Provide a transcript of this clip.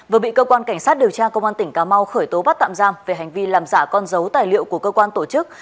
vừa bị cơ quan cảnh sát điều tra công an tỉnh cà mau khởi tố bắt tạm giam về hành vi làm giả con dấu tài liệu của cơ quan tổ chức